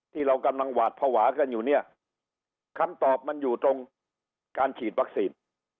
ที่เรากำลังหวาดภาวะกันอยู่เนี่ยคำตอบมันอยู่ตรงการฉีดวัคซีน